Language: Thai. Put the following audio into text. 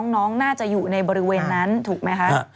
น้องน่าจะอยู่ในบริเวณนั้นถูกไหมคะ